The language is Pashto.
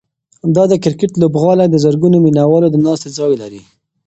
دا د کرکټ لوبغالی د زرګونو مینه والو د ناستې ځای لري.